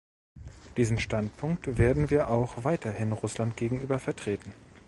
Diesen Standpunkt werden wir auch weiterhin Russland gegenüber vertreten.